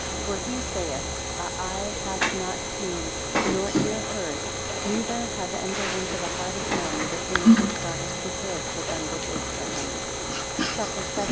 8 For he saith, a Eye hath not seen, nor ear heard, neither have entered into the heart of man, the things which God has prepared for them that wait for him, CHAPTER XVII.